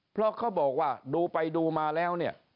เพราะเขาบอกว่าดูไปดูมาแล้วเนี่ย